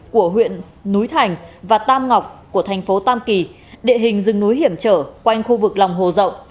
của huyện núi thành và tam ngọc của thành phố tam kỳ địa hình rừng núi hiểm trở quanh khu vực lòng hồ rộng